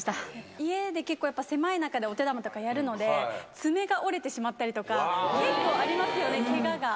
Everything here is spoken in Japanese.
家で結構、狭い中でお手玉とかやるので、爪が折れてしまったりとか、ありますよね、けがが。